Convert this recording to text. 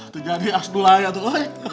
itu jadi asdulah ya tuh